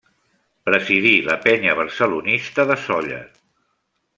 Presidí la Penya Barcelonista de Sóller.